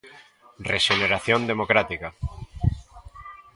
Rexeneración democrática.